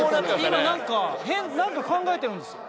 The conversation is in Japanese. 今何か変何か考えてるんですよ。